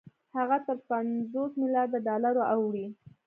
هغه تر پنځوس مليارده ډالرو اوړي